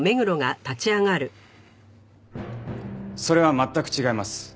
それは全く違います。